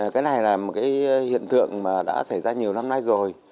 cái này là một hiện tượng đã xảy ra nhiều năm nay rồi